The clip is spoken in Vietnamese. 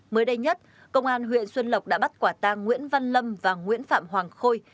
mới đây nhất công an huyện xuân lộc đã bắt quả tang nguyễn văn lâm và nguyễn phạm hoàng khôi